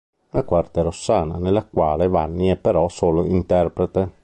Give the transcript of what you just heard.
Una quarta è "Rossana", nella quale Vanni è però solo interprete.